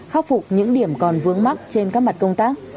khắc phục những điểm còn vướng mắt trên các mặt công tác